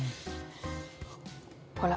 ほら。